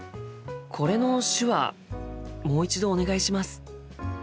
これの手話もう一度お願いします。